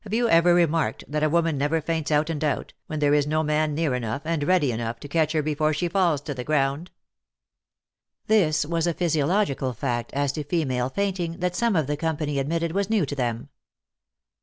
Have you ever remarked that a woman never faints out and out, when there is no man near enough, and ready enough, to catch her before she falls to the ground ?" This was a physiological fact, as to female faint ing, that some of the company admitted was new to them.